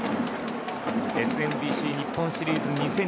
ＳＭＢＣ日本シリーズ２０２２